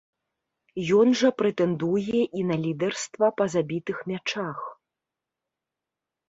Ён жа прэтэндуе і на лідарства па забітых мячах.